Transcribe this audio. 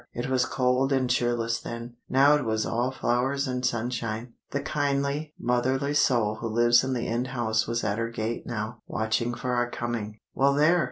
It was cold and cheerless then; now it was all flowers and sunshine. The kindly, motherly soul who lives in the end house was at her gate now, watching for our coming. "Well there!